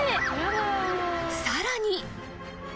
［さらに］